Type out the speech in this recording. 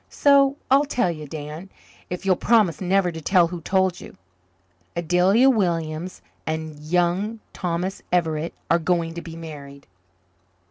So I'll tell you, Dan, if you'll promise never to tell who told you. Adelia Williams and Young Thomas Everett are going to be married."